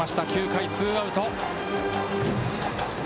９回ツーアウト。